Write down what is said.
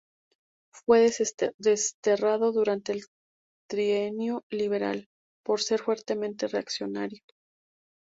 Fue desterrado durante el Trienio liberal por ser fuertemente reaccionario.